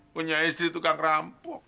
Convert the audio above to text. punya istri tukang rampok